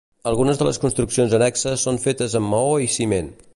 Algunes de les construccions annexes són fetes amb maó i ciment.